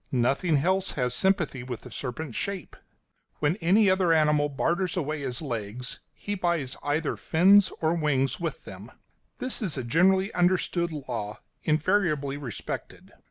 Nothing else has sympathy with the serpent's shape. When any other animal barters away his legs he buys either fins or wings with them; this is a generally understood law, invariably respected.